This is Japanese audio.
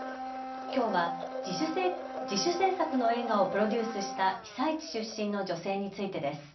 きょうは自主製作の映画をプロデュースした被災地出身の女性についてです。